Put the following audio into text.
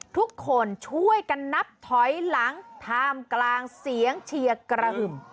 ทุกคนช่วยกันนับถอยหลังท่ามกลางเสียงเชียร์กระหึ่ม